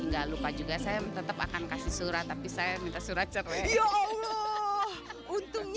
enggak lupa juga saya tetap akan kasih surat tapi saya minta surat cerai ya allah untungnya